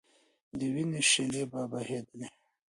د وینو شېلې به بهېدلې.